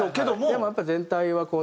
でもやっぱ全体は。